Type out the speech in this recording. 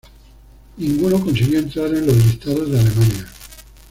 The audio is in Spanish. Ninguno consiguió entrar en los listados de Alemania.